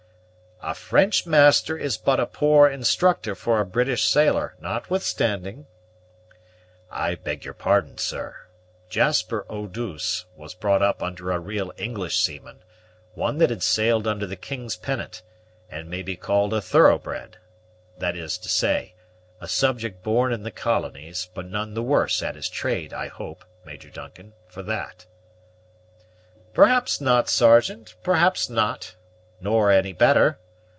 "A French master is but a poor instructor for a British sailor, notwithstanding." "I beg your pardon, sir: Jasper Eau douce was brought up under a real English seaman, one that had sailed under the king's pennant, and may be called a thorough bred; that is to say, a subject born in the colonies, but none the worse at his trade, I hope, Major Duncan, for that." "Perhaps not, Sergeant, perhaps not; nor any better.